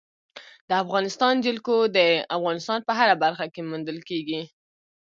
د افغانستان جلکو د افغانستان په هره برخه کې موندل کېږي.